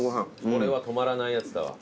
これは止まらないやつだわ。